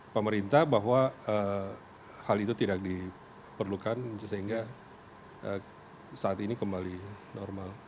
pemerintah bahwa hal itu tidak diperlukan sehingga saat ini kembali normal